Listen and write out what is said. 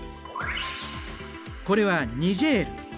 これはニジェール。